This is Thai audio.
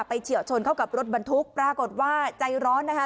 เฉียวชนเข้ากับรถบรรทุกปรากฏว่าใจร้อนนะคะ